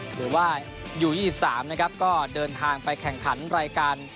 หรือว่าอยู่๒๓นะครับก็เดินทางไปแข่งขันรายการ